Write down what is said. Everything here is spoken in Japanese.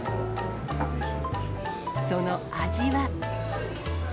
その味は。